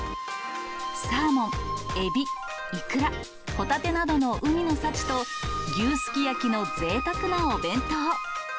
サーモン、エビ、イクラ、ホタテなどの海の幸と、牛すき焼きのぜいたくなお弁当。